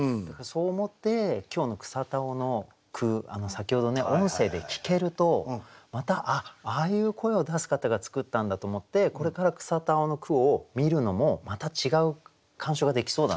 そう思って今日の草田男の句先ほどのね音声で聞けるとまた「あっああいう声を出す方が作ったんだ」と思ってこれから草田男の句を見るのもまた違う鑑賞ができそうだなと思って。